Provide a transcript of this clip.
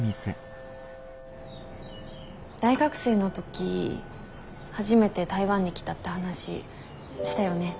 大学生の時初めて台湾に来たって話したよね。